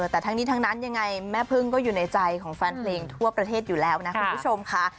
แต่ทั้งนี้ทั้งนั้นยังไงแม่พึ่งก็อยู่ในใจของแฟนเพลงทั่วประเทศอยู่แล้วนะคุณผู้ชมค่ะ